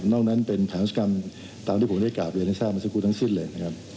นั้นเป็นฐานศกรรมตามที่ผมได้กราบเรียนให้ทราบมาสักครู่ทั้งสิ้นเลยนะครับ